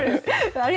あれ？